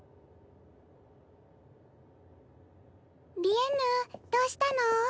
・リエンヌどうしたの？